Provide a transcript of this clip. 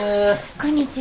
こんにちは。